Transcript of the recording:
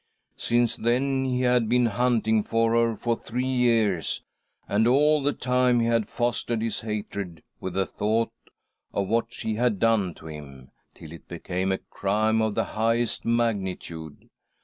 Since then he had been hunting for her for three years, and all the time he had fostered his hatred with the thought of what she had done to him, till it became a crime of the highest magnitude.